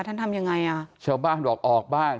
ท่านทำยังไงชาวบ้านบอกออกบ้าง